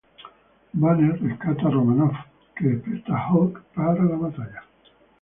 Banner rescata a Romanoff, que despierta a Hulk para la batalla.